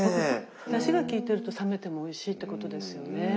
だしがきいてると冷めてもおいしいってことですよね。